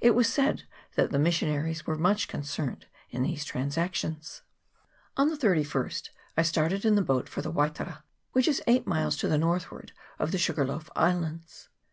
It was said that the missionaries were much concerned in these transactions. On the 31st I started in the boat for the Waitara, which is eight miles to the northward of the Sugarloaf Islands.